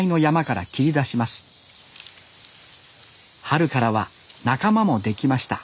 春からは仲間もできました